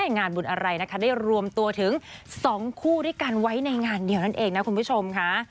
งานบุญอะไรนะคะได้รวมตัวถึง๒คู่ด้วยกันไว้ในงานเดียวนั่นเองนะคุณผู้ชมค่ะ